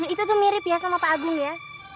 itu tuh mirip ya sama pak agung ya